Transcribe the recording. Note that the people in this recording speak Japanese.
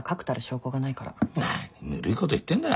何ぬるいこと言ってんだ